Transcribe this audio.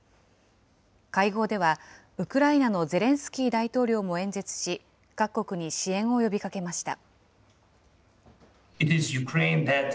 会合では、ウクライナのゼレンスキー大統領も演説し、各国に支援を呼びかけました。